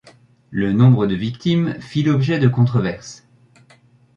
Le nombre de victimes fit l'objet de controverses.